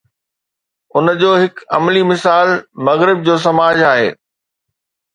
ان جو هڪ عملي مثال مغرب جو سماج آهي.